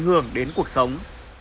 hưởng đến cuộc sống